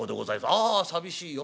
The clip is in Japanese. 「ああ寂しいよ。